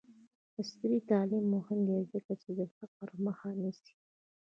عصري تعلیم مهم دی ځکه چې د فقر مخه نیسي.